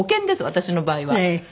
私の場合は。